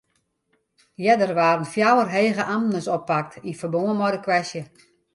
Earder waarden fjouwer hege amtners oppakt yn ferbân mei de kwestje.